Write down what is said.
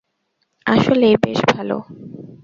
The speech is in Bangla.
আসলেই বেশ ভালো।